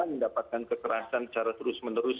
mendapatkan kekerasan secara terus menerus